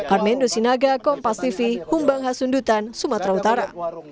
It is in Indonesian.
armendo sinaga kompas tv humbang hasundutan sumatera utara